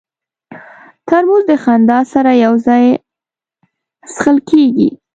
ترموز د خندا سره یو ځای څښل کېږي.